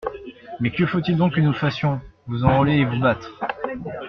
»Mais que faut-il donc que nous fassions ? »Vous enrôler et vous battre.